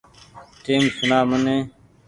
ٽئيم سوڻآ مني ۔